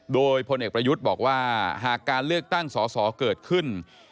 โดยพลเอกประยุทธ์บอกว่าหากการเลือกตั้งสอสอเกิดขึ้น